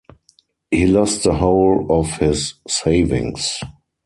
He lost the whole of his savings.